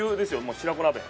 白子鍋。